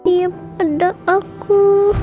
tidak ada aku